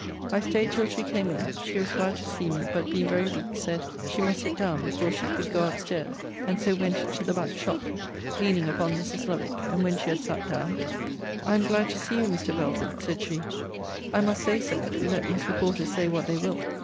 I staid till she came in. She was glad to see me; but, being very weak, said, she must sit down before she could go up stairs: and so went into the back shop; leaning upon Mrs. Lovick: and when she had sat down, 'I am glad to see you, Mr. Belford, said she; I must say so let mis reporters say what they will.'